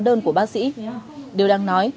đơn của bác sĩ điều đang nói